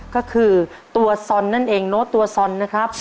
ก็คือตัวซอนนั่นเองโน้ตตัวซอนนะครับ